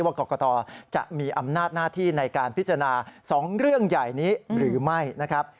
กรกตจะมีอำนาจหน้าที่ในการพิจารณา๒เรื่องใหญ่นี้หรือไม่นะครับ